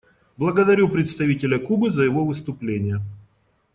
Благодарю представителя Кубы за его выступление.